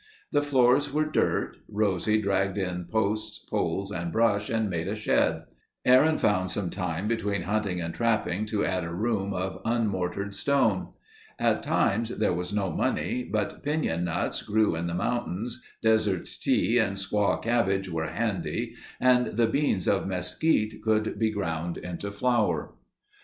The floors were dirt. Rosie dragged in posts, poles, and brush and made a shed. Aaron found time between hunting and trapping to add a room of unmortared stone. At times there was no money, but piñon nuts grew in the mountains, desert tea and squaw cabbage were handy and the beans of mesquite could be ground into flour.